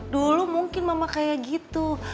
dulu mungkin mama kayak gitu